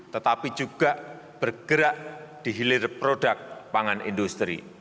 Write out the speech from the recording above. tetapi juga bergerak di hilir produk pangan industri